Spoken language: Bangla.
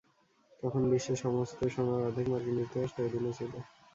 তখন বিশ্বের সমস্ত সোনার অর্ধেক মার্কিন যুক্তরাষ্ট্রের অধীনে ছিল।